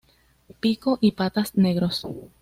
Pico y patas negros.